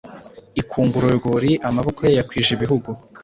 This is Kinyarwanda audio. Ikwungura urwuri. Amaboko yayakwije ibihugu